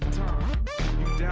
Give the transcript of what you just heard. sesuatu yang wel dialuti